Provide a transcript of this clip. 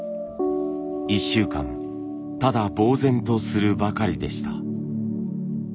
１週間ただぼう然とするばかりでした。